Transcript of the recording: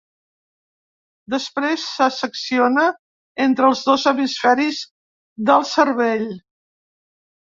Després, se secciona entre els dos hemisferis del cervell.